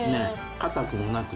硬くもなく。